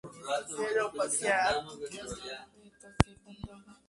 Minutes To Midnight ha recibido críticas mixtas.